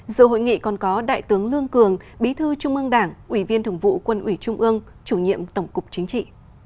dự hội nghị còn có đại tướng lương cường bí thư trung ương đảng ủy viên thường vụ quân ủy trung ương chủ nhiệm tổng cục chính trị